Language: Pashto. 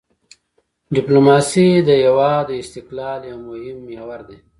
ډیپلوماسي د هېواد د استقلال یو مهم محور دی.